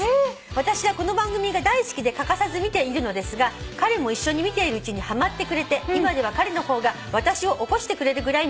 私はこの番組が大好きで欠かさず見ているのですが彼も一緒に見ているうちにハマってくれて今では彼の方が私を起こしてくれるぐらいになりました」